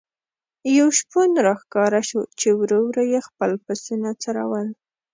یو شپون را ښکاره شو چې ورو ورو یې خپل پسونه څرول.